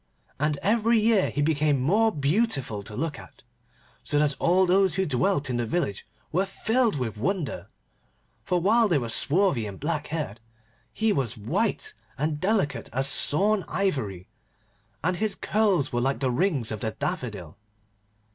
And every year he became more beautiful to look at, so that all those who dwelt in the village were filled with wonder, for, while they were swarthy and black haired, he was white and delicate as sawn ivory, and his curls were like the rings of the daffodil.